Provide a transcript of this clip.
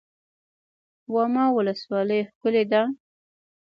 واما ولسوالۍ ښکلې ده؟